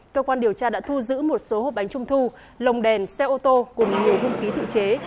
cơ quan điều tra đã thu giữ một số hộp bánh trung thu lồng đèn xe ô tô cùng nhiều hung khí tự chế